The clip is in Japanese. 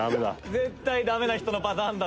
絶対ダメな人のパターンだ